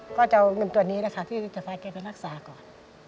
ก็จะเอาเงินตัวนี้แหละค่ะที่จะพาแกไปรักษาก่อน